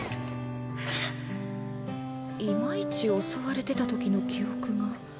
ははっいまいち襲われてたときの記憶が。